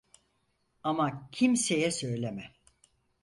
Ama kimseye söyleme.